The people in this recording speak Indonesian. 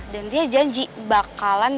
dan dia janji bakalan